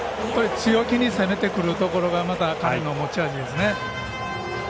強気に攻めてくるところが彼の持ち味ですね。